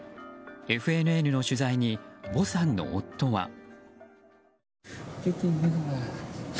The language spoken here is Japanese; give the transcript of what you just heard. ＦＮＮの取材にヴォさんの夫は。